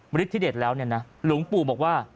บริษฐีเดชแล้วหลวงปู่บอกว่า